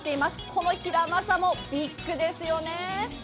このひらまさもビッグですよね。